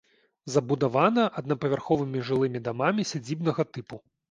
Забудавана аднапавярховымі жылымі дамамі сядзібнага тыпу.